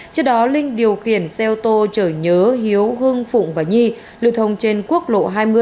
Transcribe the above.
trước đó linh điều khiển xe ô tô chở nhớ hiếu hưng phụng và nhi lưu thông trên quốc lộ hai mươi